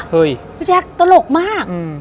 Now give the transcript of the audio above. ฮุยจ่ะโตลกมาก